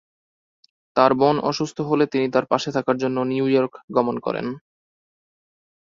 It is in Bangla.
তার বোন অসুস্থ হলে তিনি তার পাশে থাকার জন্য নিউইয়র্ক গমন করেন।